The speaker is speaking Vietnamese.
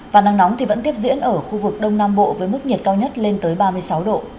và nắng nóng thì vẫn tiếp diễn ở khu vực đông nam bộ với mức nhiệt cao nhất lên tới ba mươi sáu độ